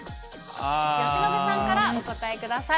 由伸さんからお答えください。